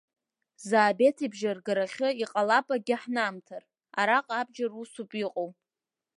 Заабеҭ ибжьы аргарагьы иҟалап акгьы ҳанамҭар, араҟа бџьар усуп иҟоу!